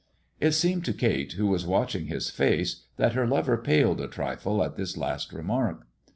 It seemed to Kate, who was watching his face, that her lover paled a trifle at this last remark.